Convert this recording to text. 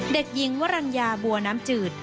เด็กหญิงวรรณญาบัวน้ำจืด